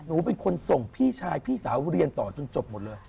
หนูเป็นคนส่งพี่ชายพี่สาวเรียนต่อจนจบหมดเลย